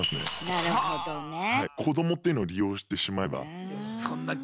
なるほどねぇ。